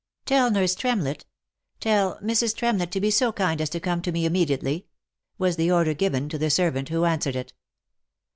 " Tell nurse Tremlett— tell Mrs. Tremlett to be so kind as to come to me immediately," was the order given to the servant who answered it.